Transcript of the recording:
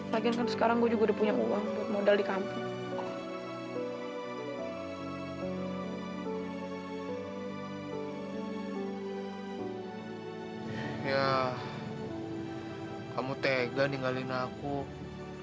lagian kan sekarang gue juga udah punya uang buat modal di kampung